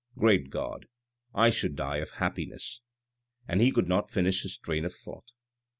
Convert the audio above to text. Great God ! I should die of happiness." And he could not finish his train of thought.